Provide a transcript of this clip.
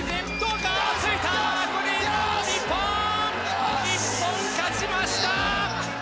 日本勝ちました！